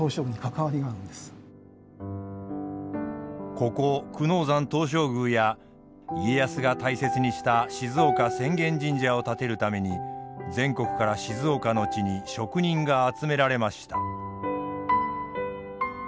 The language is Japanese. ここ久能山東照宮や家康が大切にした静岡浅間神社を建てるために全国から静岡の地に職人が集められました。